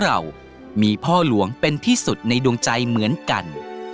เรามีพ่อหลวงเป็นที่สุดในดวงใจเหมือนกัน